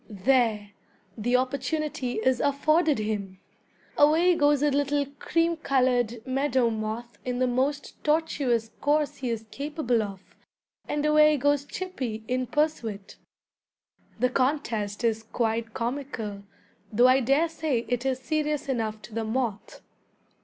There! the opportunity is afforded him. Away goes a little cream colored meadow moth in the most tortuous course he is capable of, and away goes Chippy in pursuit. The contest is quite comical, though I dare say it is serious enough to the moth.